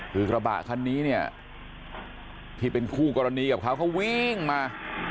คือกระบะคันนี้เนี่ยที่เป็นคู่กรณีกับเขาเขาวิ่งมา